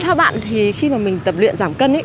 theo bạn thì khi mà mình tập luyện giảm cân